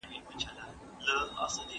شتمني څنګه د سرکښۍ سبب کيدلای سي؟